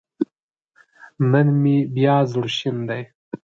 نن مې بيا زړه شين دی